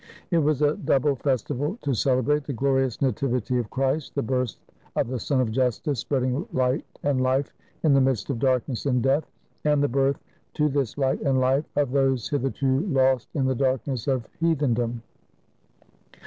It was a double festival to celebrate — the glorious Nativity of Christ, the birth of the Sun of Justice, spreading light and life in the midst of darkness and death, and the birth to this light and life of those hitherto lost in the darkness of heathen dom.